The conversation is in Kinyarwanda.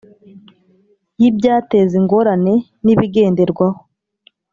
Y ibyateza ingorane n ibigenderwaho